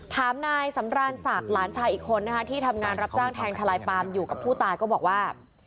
ถามนายสำรานศักดิ์หลานชายอีกคนนะคะที่ทำงานรับจ้างแทงทลายปามอยู่กับผู้ตายก็บอกว่า